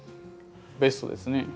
ベストですね。